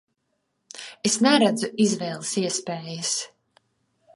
Es neredzu izvēles iespējas.